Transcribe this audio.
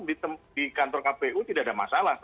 di kantor kpu tidak ada masalah